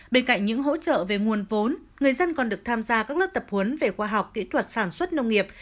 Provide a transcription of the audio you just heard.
bên cạnh những hỗ trợ về nguồn vốn người dân còn được tham gia các lớp tập huấn về khoa học kỹ thuật sản xuất nông nghiệp